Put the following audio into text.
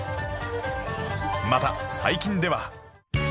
また最近では